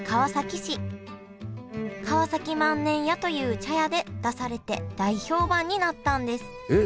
河崎万年屋という茶屋で出されて大評判になったんですえっ